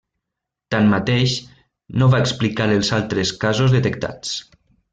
Tanmateix, no va explicar els altres casos detectats.